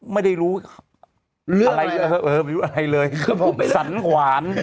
ไม่ได้รู้อะไรเออไม่รู้อะไรเลยชัยกออกไปสันขวาน